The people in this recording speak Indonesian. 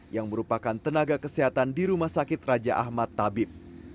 yang merupakan tenaga kesehatan di rumah sakit raja ahmad tabib